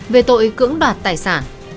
về tội cưỡng đoạt tài sản